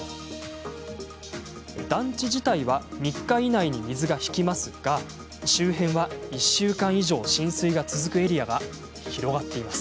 団地自体は３日以内に水が引きますが周辺は、１週間以上、浸水が続くエリアが広がっています。